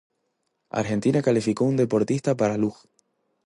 Argentina calificó un deportista para luge.